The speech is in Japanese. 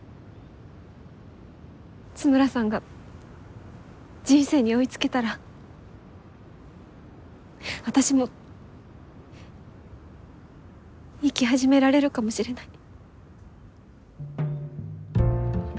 津村さんが人生に追いつけたら私も生き始められるかもしれない。